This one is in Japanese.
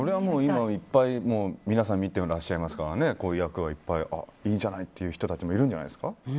皆さん見てらっしゃいますからこういう役はいいんじゃない？という人たちはいるんじゃないですか？